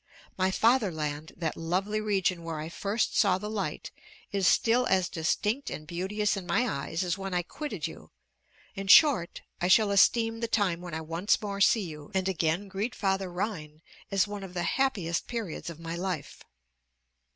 My fatherland, that lovely region where I first saw the light, is still as distinct and beauteous in my eyes as when I quitted you; in short, I shall esteem the time when I once more see you, and again greet Father Rhine, as one of the happiest periods of my life.